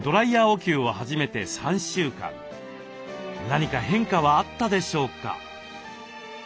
何か変化はあったでしょうか？